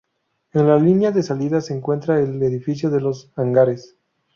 En la línea de salida se encuentra el edificio de los hangares.